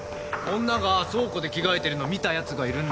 ・女が倉庫で着替えてるの見たやつがいるんだってさ。